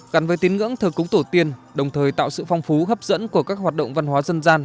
gắn với tín ngưỡng thờ cúng tổ tiên đồng thời tạo sự phong phú hấp dẫn của các hoạt động văn hóa dân gian